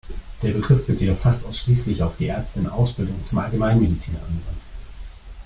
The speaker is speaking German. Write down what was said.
Der Begriff wird jedoch fast ausschließlich auf die Ärzte in Ausbildung zum Allgemeinmediziner angewandt.